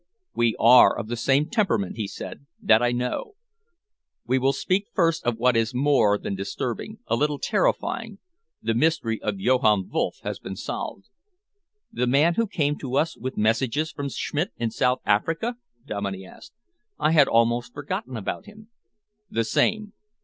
"We are of the same temperament," he said. "That I know. We will speak first of what is more than disturbing a little terrifying. The mystery of Johann Wolff has been solved." "The man who came to us with messages from Schmidt in South Africa?" Dominey asked. "I had almost forgotten about him." "The same.